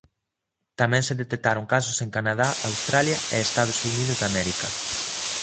Tamén se detectaron casos en Canadá, Australia e Estados Unidos de América.